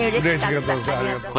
ありがとう。